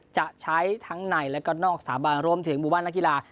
จะใช้ทั้งในและก็นอกสถาบันรวมถึงหมู่บ้านนักกีฬา